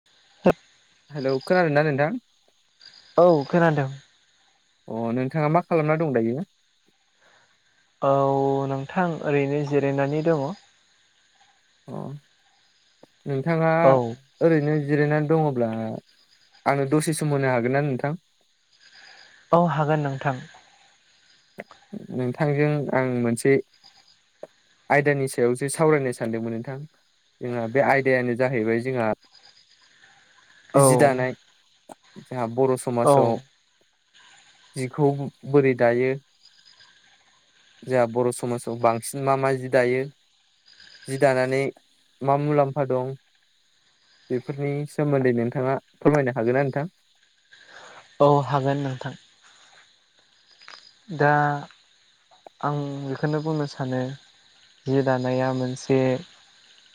[unintelligible] Hello खोनादों ना नोंथां औ खोनादों अ नोंथाङा मा खालामना दं दायो औ नोंथां ओरैनो जिरायनानै दङ अ नोंथाङा औ ओरैनो जिरायनानै दङब्ला आंनो दसे सम होनो हागोन ना नोंथां औ हागोन नोंथां नोंथांजों आं मोनसे आयदानि सायावसो सावरायनो सानदोंमोन नोंथां। जोंहा बे आयदायानो जाहैबाय जोंहा औ जि दानाय जोंहा बर' औ समाजाव जिखौ बोरै दायो। जोंहा बर' समाजाव बांसिन मा मा जि दायो। जि दानानै मा मुलाम्फा दं बेफोरनि सोमोन्दै दिै नोंथाङा फोरमायनो हागोन ना नोंथां? औ हागोन नोंथां। दा आं बेखौनो बुंनो सानो जि दानाया मोनसे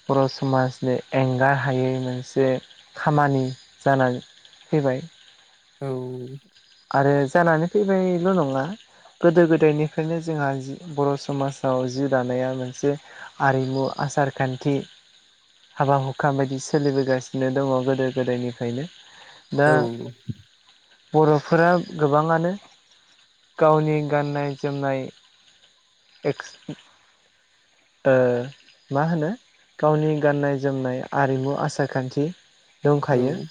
बर' समाजनि एंगार हायै मोनसे खामानि जानानै फैबाय। औ। आरो जानानै फैबायल' नङा। गोदो गोदायनिफ्रायनो जोंहा जि बर' समाजाव जि दानाया मोनसे आरिमु आसार खान्थि हाबा हुखा बायदि सोलिबोगासिनो दङ गोदो गोदायनिफ्रायनो। दा औ बर'। फोर गोबाङानो गावनि गाननाय जोमनाय। एक्स मा होनो? गावनि गाननाय जोमनाय आरिमु आसार खान्थि। दंखायो औ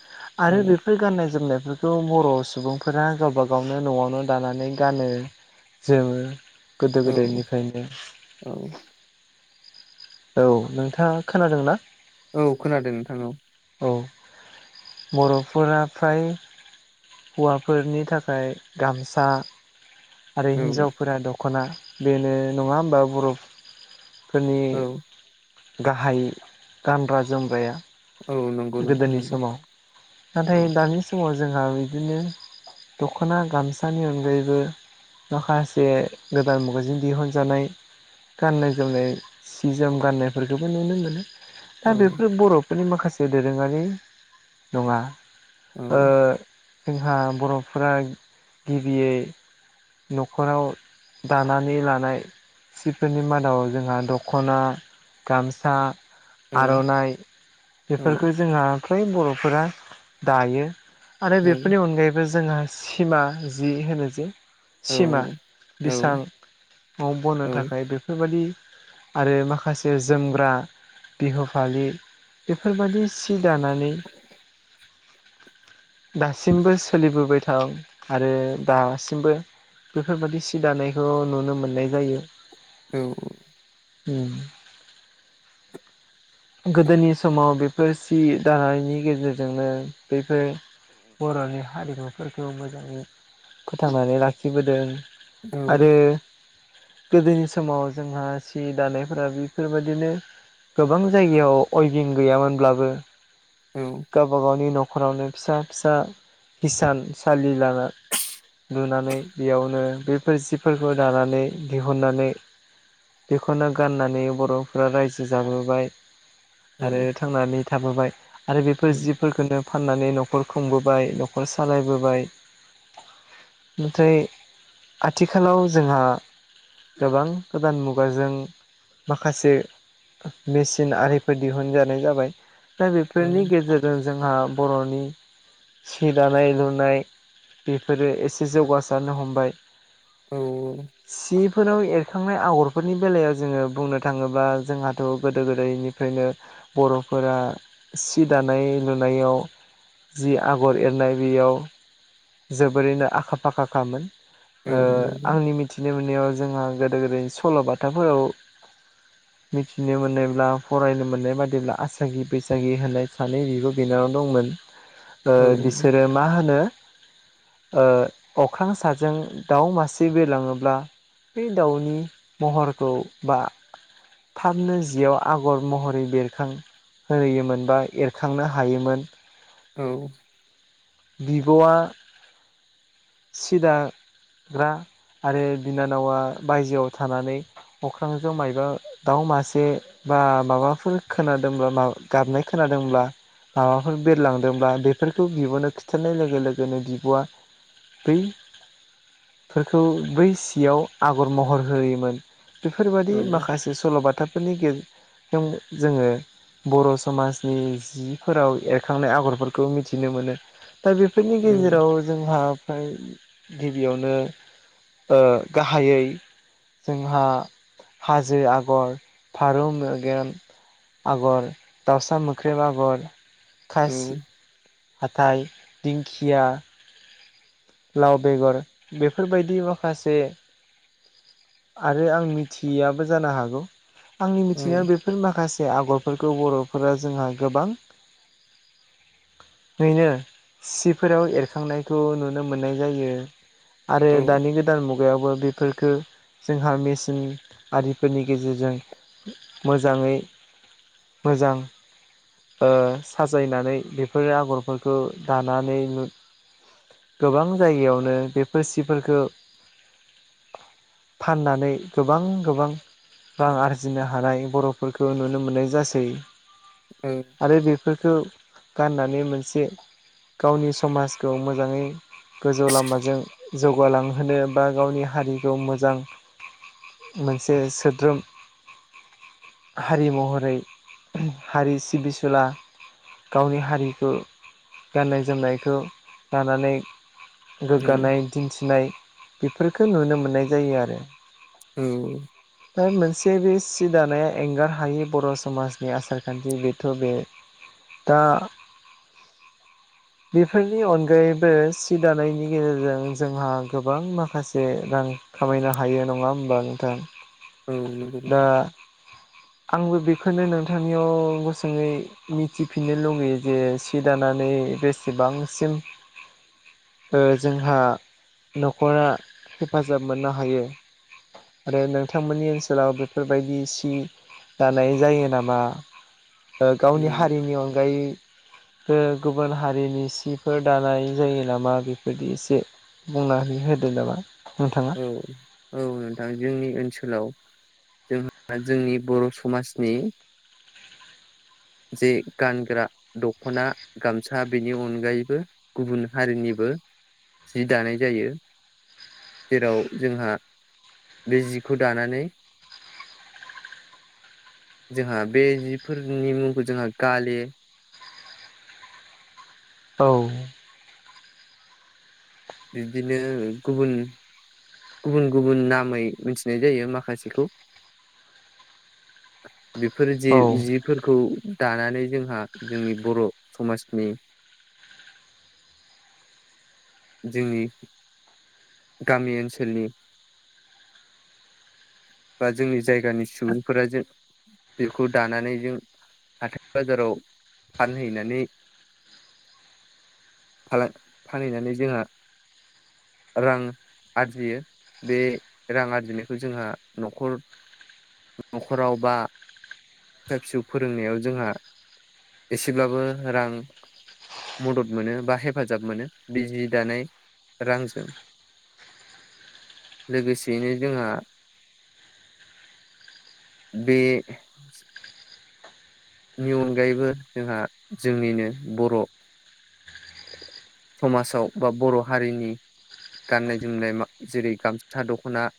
आरो औ बेफोर गाननाय जोमनायफोरखौ। बेखौ बर' सुबुंफोरा गावबा गावनो न'आवनो दानानै गानो जोमो। गोदो औ गोदायनिफ्रायनो। औ। औ नोंथाङा खोनादोंना? औ खोनादों नोंथां औ। औ बर'फोरा फ्राय हौवाफोरनि थाखाय गामसा। आरो औ हिन्जावफोरा दख'ना बेनो नङा होमबा बरफ औ फोरनि गाहाय गानग्रा जोमग्राया। औ नंगौ नोंथां गोदोनि नंगौ समाव औ नाथाय दानि समाव जोंहा बिदिनो। दख'ना गामसानि अनगायैबो माखासे गोदान मुगाजों दिहुनजानाय। गाननाय जोमनाय सिजोम गाननायफोरखौबो नुनो मोनो। औ दा बेफोरो बर'फोरनि माखासे दोरोङारि नङा। औ जोंहा बर'फोरा गिबियै न'खराव दानानै लानाय सिफोरनि मादाव जोंहा दख'ना गामसा औ आर'नाइ। औ बेफोरखौ जोंहा फ्राय बर'फोरा दायो आरो बेफोरनि अनगायैबो जोंहा सिमा जि होनो जिे। औ सिमा नंगौ बेसाङाव बनो नोंथां थाखाय बेफोर बेफोरबादि आरो माखासे जोमग्रा बिहु फालि बेफोरबायदि सि दानानै दासिमबो सोलिबोबाय थाव आरो दासिमबो बेफोरबायाददि सि दानायखौ नुनो मोननाय जायो। औ औ। गोदोनि समाव बेफोर सि दानायनि गेजेरजोंनो बेफोर बर'नि हारिमुफोरखौ मोजाङै फोथांनानै लाखिबोदों आरो गोदोनि समाव जोंहा सि दानायफोरा बेफोरबायदिनो गोबां जायगायाव अयभिं गैयामोनब्लाबो औ गावब गावनि न'खर न'खरावनो फिसा फिसा हिसान सालि ला लुनानै बेयावनो बेफोर जिफोरखौ दानानै दिहुननानै बेखौनो गाननानै बर'फोरा रायजो जाबोबाय आरो थांनानै थाबोबाय आरो बेफोर जिब फोरखोननो फाननानै न'खर खुंबोबाय न'खर सालायबोबाय ओमफ्राय आथिखालाव जोंहा गोबां गोदान मुगाजों माखासे मेसिन आरि फोर दिहुनजानाय जाबाय दा बेफोरनि गेजेरजों जोंहा बर'नि सि दानाय लुनाय बेफोरो एसे जौगासारनो हमबाय औ सिफोराव एरखांनाय आगरफोरनि बेलायाव जोङो बुंनो थाङोब्ला जोंहाथ' गोदो गोदायनि ओखायनो बर'फोरा सि दानाय लुनायाव जि आगर एरनाय बेयाव जोबोरैनो आखा फाखाखामोन आंनि मिथि मिथिनो मोननायाव जोंहा गोदो गोदायनि सल'बाथाफोराव मिथिनो मोननायब्ला फरायनो मोननाय बादिब्ला आसागि बैसागि होननाय सानै बिब' बिनानाव दंमोन बिसोरो मा होनो अख्रां साजों दाउ मासे बिरलाङोब्ला बे दाउनि महरखौ बा थाबनो जियाव आगर महरै बेरखां होहोयोमोन बा एरखांनो हायोमोन औ बिब'आ सिदा ग्रा आरो बिनानावा बायजोआव थानानै अख्रांजों मायबा दाउ मासे बा माबाफोर खोनादोंब्ला गाबनाय खोनादोंब्ला माबाफोर बेरलांदोंब्ला बेफोरखौ बिबोननो खि थुथारनाय लोगो लोगोनो बिब'आ बै फोरखौ बै सियाव आगर महर होयोमोन। बेफोरबायदि माखासे सल'बाथाफोरनि गेजजों जोङो बर' समाजनि जिफोराव एरखांनाय आगरफोरखौ मिथिनो मोनो दा बेफोरनि गेजेराव जोंहा फ्राय गिबियावनो गाहायै जोंहा हाजो आगर फारौ मेगेन आगर दाउसा मोख्रेब आगर औ खसि हाथाय दिंखिया लाव बेगर बेफोरबायदि माखासे आरो आं मिथियाबो जानो हागौ आंनि मिथिनायाव बेफो फोर माखासे आगरफोरखौ बर'फोरा जोंहा गोबां नो सिफोराव एरखांनायखौ नुनो मोननाय जायो आरो दानि गोद गोदान मुगायावबो बेफोरफोरखौ जोंहा मेसिन आरिफोरनि गेजेरजों मोजाङै मोजां साजायनानै बेफोरो आगरफोरखौ दानानै गोबां जायगायावनो बेफोर सिफोरखौ फाननानै गोबां गोबां रां आरजिनो हानाय बर'फोरखौ नुनो मोननाय जासै औ आरो बेफोरखौ गाननानै मोनसे गावनि समाजखौ मोजाङै गोजौ लामाजों जौगालांहोनो बा गावनि हारिखौ मोजां मोनसे सोद्रोम हारि महरै हारि सिबिसुला गावनि हारिखौ गाननाय जोमनायखौ लानानै रोगानाय दिन्थिनाय बेफोरफोरखो नुनो मोननाय जायो आरो। ओम। ओ मोनसे बे सि दानाया एंगार हायि बर' समाजनि आसार खान्थि। बेथ' बे दा बेफोरनि अनगायैबो सि दानायनि गेजेरजों जोंहा गोबां माखासे रां खामायनो हायो नङा होमबा नोंथां? दा आंबो बेखौनो नोंथांनियाव गुसुङै मिथिफिननो लुगैयो जे सि दानानै बेसेबांसिम ओ जोंहा न'खरा हेफाजाब मोननो हायो। आरो नों बिथांमोननि ओनसोलाव बेफोरबायदि सि दानाय जायो नामा? गावनि हारिनि अनगायै ओ गुबुन हारिनि सिफोर दानाय जायो नामा बेफोरदि एसे बुंनानै होदो नामा नोंथा? औ औ नोंथां जोंनि ओनसोलाव जोंहा जोंनि बर' समाजनि [inaudible] जे गानग्रा दख'ना गामसा बेनि अनगायैबो गुबुन हारिनिबो जि दानाय जायो। जेराव जोंहा बे जिखौ दानानै जोंहा बे जिफोरनि मुंखौ जोंहा गाले औ। बिदिनो गुबुन गुबुन गुबुन नामै मिथिनाय जायो माखासेखौ। बेफोर जि औ जिफोरखौ दानानै जोंहा जोंनि बर' समाजनि जोंनि गामि ओनसोलनि बा जोंनि जायगानि सुबुंफोरा जों बेखौ दानानै जों हाथाय बाजाराव फानहैनानै [inaudible] फाला फानहैनानै जोंहा रां आरजियो। बे रां आरजिनायखौ जोंहा न'खर न'खराव बा फिसा फिसौ फोरोंनायाव जोंहा एसेब्लाबो रां मदद मोनो बा हेफाजाब मोनो बे जि दानाय रांजों लोगोसेयैनो जोंहा बे नि अनगायैबो जोंहा जोंनिनो बर' समाजाव बा बर' हारिनि गाननाय जोमनाय मा जेरै गामसथा दख'ना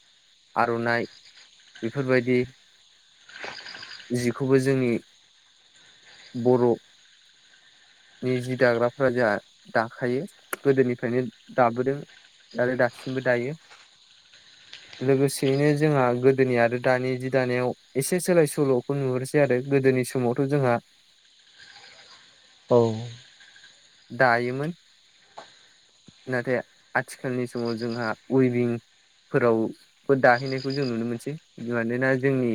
आर'नाइ बेफोरबायदि जिखौबो जोंनि बर' बे जि दाग्राफोरा जोंहा दाखायो गोदोनिफ्रायनो दाबोदों। दालाय दासिमबो दायो। लोगोसेयैनो जोंहा गोदोनि आरो दानि जि दानायाव एसे सोलाय स सल'खौ नुहोसै आरो गोदोनि समावथ' जोंहा औ। दायोमोन। नाथाय आथिखालनि समाव जोंहा उेभिं फोराव दाहैनायखौ जों नुनो मोनसै मानोना जोंनि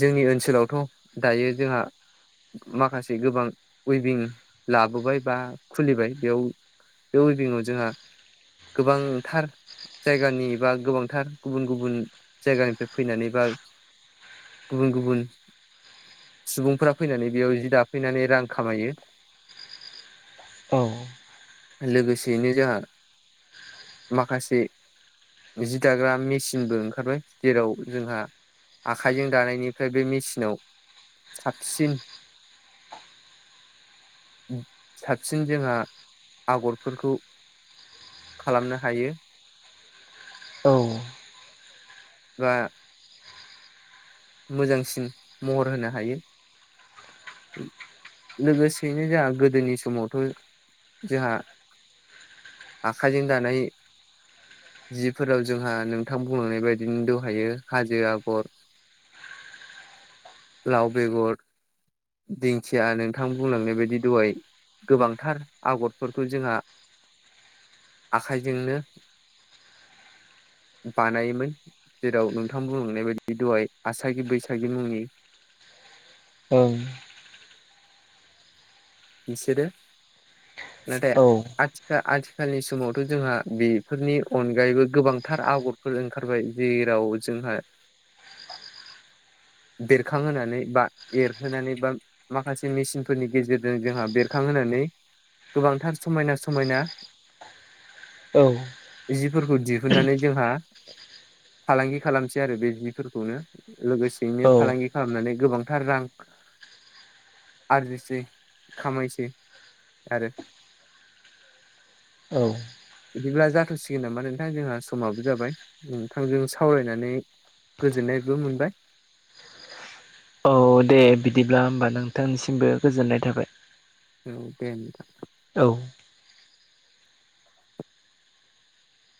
जोंनि ओनसोलावथ' दायो जोंहा। माखासे गोबां उइभिं लाबोबाय बा खुलिबाय। बेयाव बे उइभंआव जोंहा गोबांथार जायगानि बा गोबांथार गुबुन गुबुन जायगानिफ्राय फैनानै बा। गुबुन गुबुन सुबुंफोरा फैनानै बेयाव जि दाफैनानै रां खामायो। औ। लोगोसेयैनो जोंहा माखासे जि दाग्रा मेसिनबो ओंखारबाय जेराव जोंहा आखाइजों दानायनिफ्राय बे मेसिनाव साबसिन उ साबसिन जोंहा आगरफोरखौ खालामनो हायो। औ। [unintelligible] मोजांसिन महर होनो हायो। लोगोसेयैनो जोंहा गोदोनि समावथ' जोंहा आखाइजों दानाय। जिफोराव जोंहा नोंथां बुंलांनाय बायदिनो दंहायो हाजो आगर। लाव बेगर दिंखिया नोंथां बुंलांनाय बायदि दहाय गोबांथार आगरफोरखौ जोंहा आखाइजोंनो। बानायोमोन जेराव नोंथां बुंलांनाय बायदि दहाय आसागि बैसागि मुंनि ओं। इसोरो नाथे दा आथिखालनि समावथ' जोंहा बेफोरनि अनगायैबो गोबांथार आगरफोर ओंखारबाय जेराव जोंहा [inaudible] बेरखांहोनानै बा एरहोनानै बा माखासे मेसिनफोरनि गेजेर जों जोंहा बेरखांहोनानै गोबांथार समायना समायना। औ। जिफोरखौ दिहुननानै जोंहा फालांगि खालामसै आरो बे जिफोरखौनो। लोगोसेयैनो औ फालांगि खालामनानै गोबांथार रां आरजिसै। खामायसै आरो औ। बिदिब्ला जाथ'सिगोन नामा नोंथां जोंहा समाबो जाबाय नोंथांजों सावरायनानै गोजोननायबो मोनबाय। औ दे बिदिब्ला होमबा नोंथांनिसिमबो गोजोननाय थाबाय। औ दे। औ।